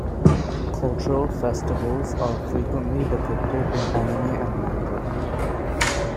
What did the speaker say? Cultural festivals are frequently depicted in anime and manga.